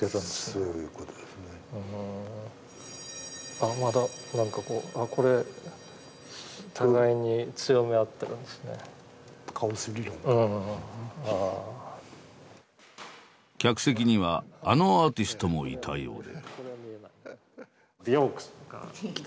あっまた何かこうあっこれ客席にはあのアーティストもいたようで。